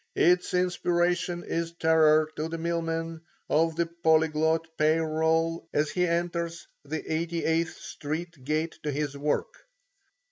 Its inspiration is terror to the millman of the polyglot pay roll, as he enters the Eighty eighth Street gate to his work.